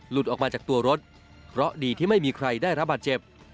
ออกมาจากตัวรถเพราะดีที่ไม่มีใครได้รับบาดเจ็บ